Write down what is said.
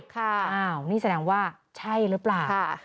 อ้าวนี่แสดงว่าใช่หรือเปล่า